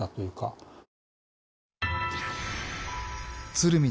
［鶴見